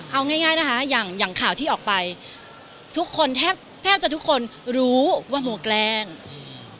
เอาง่ายง่ายนะคะอย่างอย่างข่าวที่ออกไปทุกคนแทบแทบจะทุกคนรู้ว่าหัวแกล้งอืม